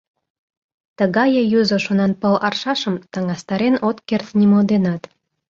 Тыгае юзо шонанпыл аршашым Таҥастарен от керт нимо денат.